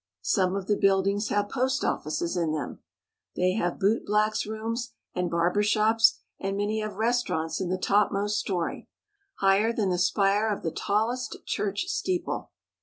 Some of the buildings have post offices in them. They have boot blacks' rooms and barber shops, and many have restaurants in the topmost story, higher than the spire of the tallest church steeple.